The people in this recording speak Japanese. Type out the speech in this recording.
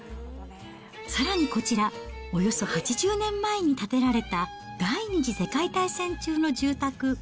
さらにこちら、およそ８０年前に建てられた第２次世界大戦中の住宅。